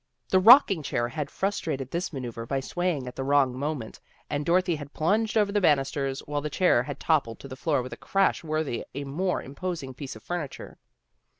The rocking chair had frustrated this maneuvre by swaying at the wrong moment, and Dorothy had plunged over RUTH IS PERPLEXED 163 the banisters while the chair had toppled to the floor with a crash worthy a more imposing piece of furniture.